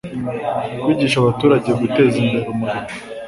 kwigisha abaturage guteza imbere umurimo